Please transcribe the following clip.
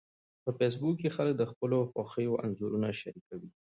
په فېسبوک کې خلک د خپلو خوښیو انځورونه شریکوي